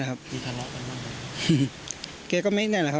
แต่แกบอกทักคนเลยใช่ไหม